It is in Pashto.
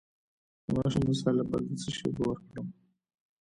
د ماشوم د اسهال لپاره د څه شي اوبه ورکړم؟